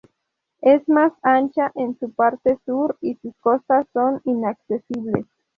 Es más ancha en su parte sur, y sus costas son inaccesibles.